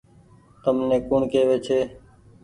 تم ني ڪوڻ ڪيوي ڇي ۔